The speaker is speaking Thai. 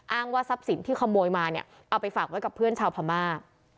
อ้างว่าทรัพย์สินที่ขโมยมาเอาไปฝากไว้กับเพื่อนชาวพรรมา